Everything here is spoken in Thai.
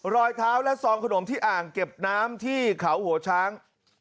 รอยเท้าและซองขนมที่อ่างเก็บน้ำที่เขาหัวช้าง